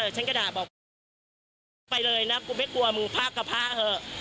ฉันก็ด่าบอกกูไปเลยนะกูไม่กลัวมึงพากกระพากเถอะ